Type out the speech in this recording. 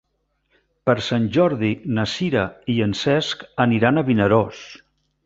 Per Sant Jordi na Sira i en Cesc aniran a Vinaròs.